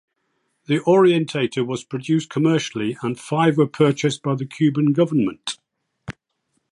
The Orientator was produced commercially and five were purchased by the Cuban government.